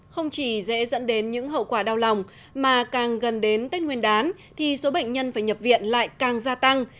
không chỉ dễ dẫn đến những hậu quả đau lòng mà càng gần đến tết nguyên đán thì số bệnh nhân phải nhập viện lại càng gia tăng